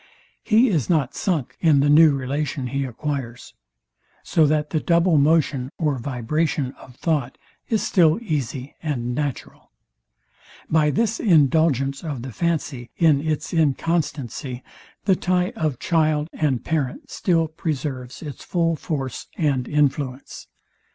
He is not sunk in the new relation he acquires; so that the double motion or vibration of thought is still easy and natural. By this indulgence of the fancy in its inconstancy, the tie of child and parent still preserves its full force and influence.